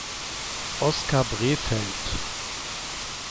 Oskar Brefeld